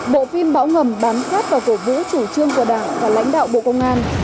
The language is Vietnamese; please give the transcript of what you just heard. bộ phim bão ngầm bám khát vào cổ vũ chủ trương của đảng và lãnh đạo bộ công an